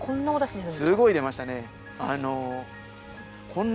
すごい出ましたね。